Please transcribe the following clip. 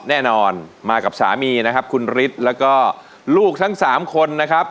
แน่นอนมากับสามีนะครับคุณฤทธิ์แล้วก็ลูกทั้ง๓คนนะครับ